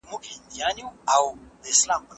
اوږدمهاله فشار د بدن اوږدمهاله زیان رسوي.